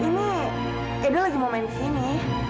ini edo lagi mau main disini